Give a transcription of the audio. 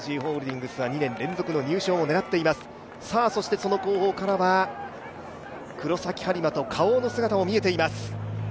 その後方からは黒崎播磨とＫａｏの姿も見えています。